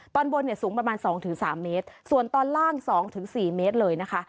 ตอนบนเนี่ยสูงประมาณสองถึงสามเมตรส่วนตอนล่างสองถึงสี่เมตรเลยนะคะ